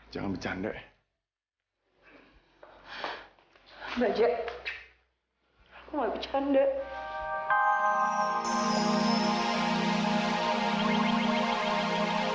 jangan bercanda ya